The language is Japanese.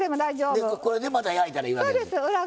これでまた焼いたらいいわけで。